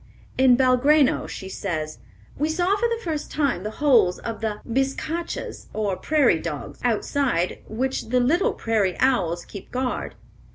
In Belgrano, she says: "We saw for the first time the holes of the bizcachas, or prairie dogs, outside which the little prairie owls keep guard.